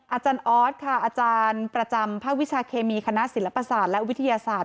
อาจารย์ออสค่ะอาจารย์ประจำภาควิชาเคมีคณะศิลปศาสตร์และวิทยาศาสตร์